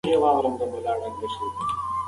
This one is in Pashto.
شنه بوټي د هوا پاکوالي تضمینوي.